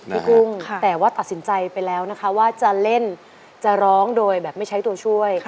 กุ้งแต่ว่าตัดสินใจไปแล้วนะคะว่าจะเล่นจะร้องโดยแบบไม่ใช้ตัวช่วย